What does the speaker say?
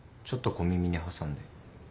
ちょっと小耳に挟んで。